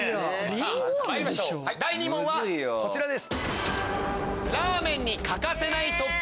まいりましょう第２問はこちらです。